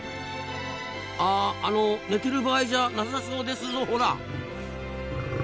ああの寝てる場合じゃなさそうですぞほら。